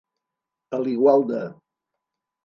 A l'igual de.